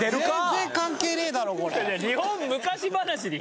全然関係ねえだろこれ。